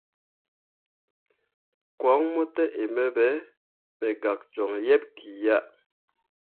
Koŋ mo te in me be, me gak joŋ yeḅ ki ya.